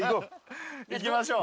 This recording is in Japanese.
行きましょう。